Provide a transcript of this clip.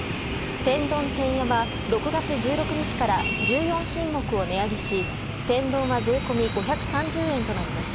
天丼てんやは６月１６日から１４品目を値上げし天丼は税込み５３０円となります。